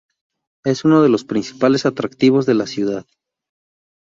Es uno de los principales atractivos de la ciudad.